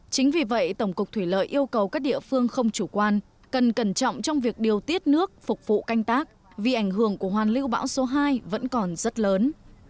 chính vì vậy tổng cục thủy lợi yêu cầu các địa phương không chủ quan cần cẩn trọng trong việc điều tiết nước phục vụ canh tác vì ảnh hưởng của hoàn lưu bão số hai vẫn còn rất lớn